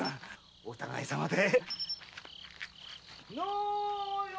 お互いさまで。